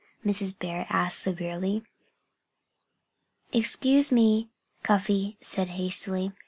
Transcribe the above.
Mrs. Bear asked severely. "Excuse me!" Cuffy said hastily.